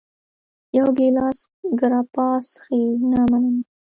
یو ګېلاس ګراپا څښې؟ نه، مننه.